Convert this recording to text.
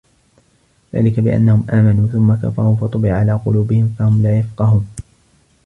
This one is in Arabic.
ذلِكَ بِأَنَّهُم آمَنوا ثُمَّ كَفَروا فَطُبِعَ عَلى قُلوبِهِم فَهُم لا يَفقَهونَ